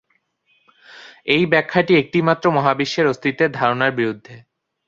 এই ব্যাখ্যাটি একটি মাত্র মহাবিশ্বের অস্তিত্বের ধারণার বিরুদ্ধে।